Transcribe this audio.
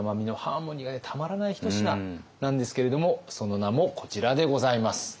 ひと品なんですけれどもその名もこちらでございます。